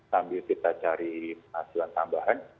sambil kita cari hasil tambahan